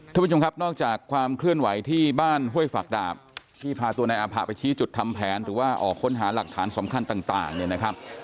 ท่านผู้ชมครับนอกจากความเคลื่อนไหวที่บ้านห้วยฝักดาบที่พาตัวนายอาผะไปชี้จุดทำแผนหรือว่าออกค้นหาหลักฐานสำคัญต่างเนี่ยนะครับ